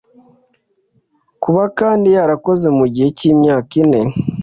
Kuba kandi yarakoze mu gihe cy imyaka ine